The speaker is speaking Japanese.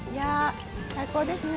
最高ですね。